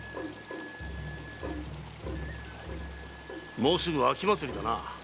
・もうすぐ秋祭りだな。